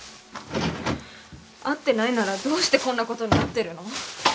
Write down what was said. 会ってないならどうしてこんな事になってるの？